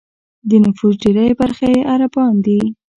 د نفوس ډېری برخه یې عربان دي.